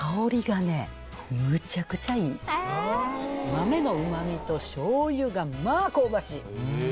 豆のうまみと醤油がまあ香ばしい。